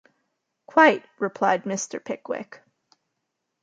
‘Quite,’ replied Mr. Pickwick.